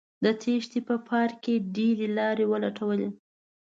د تېښتې په پار یې ډیرې لارې ولټولې